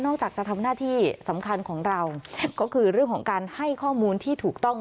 จากจะทำหน้าที่สำคัญของเราก็คือเรื่องของการให้ข้อมูลที่ถูกต้อง